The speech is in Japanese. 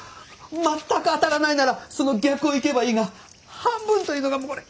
全く当たらないならその逆を行けばいいが半分というのが一番やっかいなんだよ！